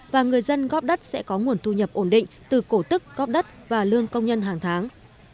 và người dân góp đất sẽ có nguồn thu nhập ổn định từ cổ tức góp đất và lương công nhân hàng tháng